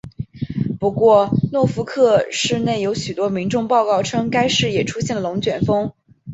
不过诺福克市内有许多民众报告称该市也出现了龙卷风。